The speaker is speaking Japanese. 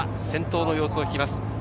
先頭の様子を聞きます。